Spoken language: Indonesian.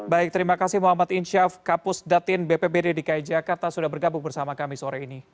baik terima kasih muhammad insyaf kapus datin bpbd dki jakarta sudah bergabung bersama kami sore ini